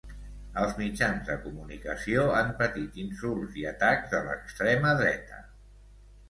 Els mitjans de comunicació han patit insults i atacs de l'extrema dreta.